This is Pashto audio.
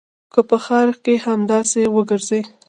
که په ښار کښې همداسې وګرځې.